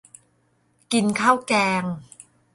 กินข้าวแกง